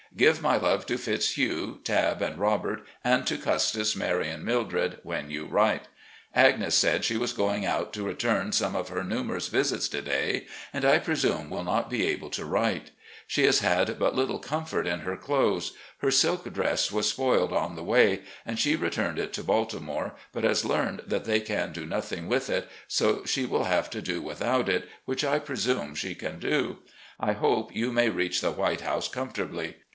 Give my love to Fitzhugh, Tabb, and Robert and to Custis, Mary, and Mildred when you write. Agnes said she was going out to return some of her numerous visits to day, and I presume will not be able 400 RECX)LLECTIONS OF GENERAL LEE to write. She has had but little comfort in her clothes. Her silk dress was spoiled on the way, and she returned it to Baltimore, but has learned that they can do nothing with it, so she will have to do without it, which I presume she can do. I hope you may reach the 'White House' comfortably.